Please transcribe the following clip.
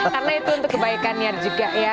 karena itu untuk kebaikan niat juga ya